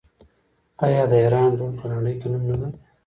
آیا د ایران ډرون په نړۍ کې نوم نلري؟